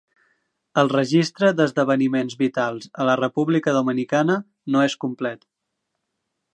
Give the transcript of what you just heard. El registre d'esdeveniments vitals a la República Dominicana no és complet.